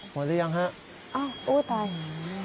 หมดอีกยังคะโอ๊ยตาย